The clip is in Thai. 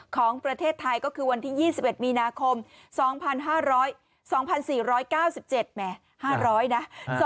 ของประเทศไทยก็คือวันที่๒๑มีนาคม๒๕๒๔๙๗แหม๕๐๐นะ